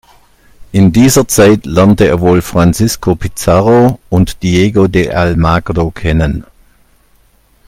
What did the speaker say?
In dieser Zeit lernte er wohl Francisco Pizarro und Diego de Almagro kennen.